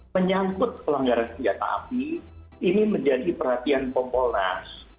menyangkut pelanggaran senjata api ini menjadi perhatian kompolnas